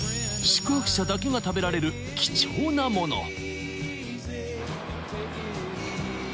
宿泊者だけが食べられる貴重なもの